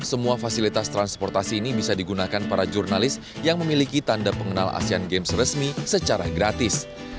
semua fasilitas transportasi ini bisa digunakan para jurnalis yang memiliki tanda pengenal asean games resmi secara gratis